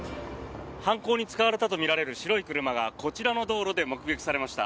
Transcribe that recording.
犯行に使われたとみられる白い車がこちらの道路で目撃されました。